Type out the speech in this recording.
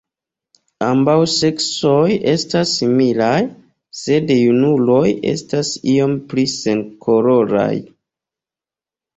Ambaŭ seksoj estas similaj, sed junuloj estas iome pli senkoloraj.